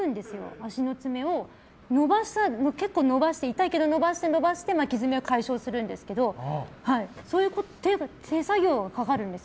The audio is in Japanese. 足の爪を、痛いけど伸ばして、伸ばして巻き爪を解消するんですけどそういう作業がかかるんです。